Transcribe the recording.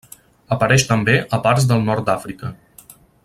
Apareix també a parts del nord d'Àfrica.